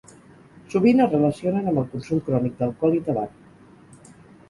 Sovint es relacionen amb el consum crònic d'alcohol i tabac.